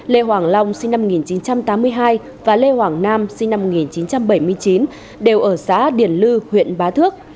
lê hoàng long sinh năm một nghìn chín trăm tám mươi hai và lê hoàng nam sinh năm một nghìn chín trăm bảy mươi chín đều ở xã điển lư huyện bá thước